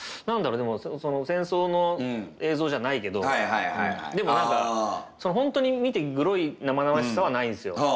何だろうでも戦争の映像じゃないけどでも何か本当に見てグロい生々しさはないんすよ。